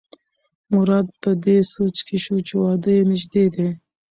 مراد په دې سوچ کې شو چې واده یې نژدې دی.